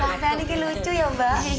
pak fian ini lucu ya mbak